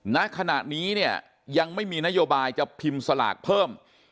ณขณะนี้เนี่ยยังไม่มีนโยบายจะพิมพ์สลากเพิ่ม